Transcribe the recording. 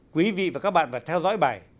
quý vị và các bạn phải theo dõi bài